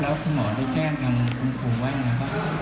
แล้วคุณหมอได้แจ้งคุณครูว่าอย่างไรครับ